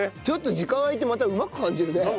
ちょっと時間空いてまたうまく感じるね。